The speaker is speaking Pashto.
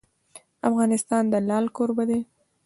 افغانستان د لعل کوربه دی.